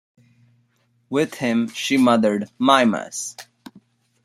With him, she mothered Mimas.